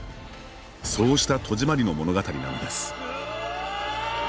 そうした戸締まりの物語なのです。